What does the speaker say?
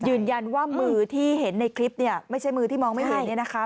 ยืนยันว่ามือที่เห็นในคลิปเนี่ยไม่ใช่มือที่มองไม่เห็นเนี่ยนะคะ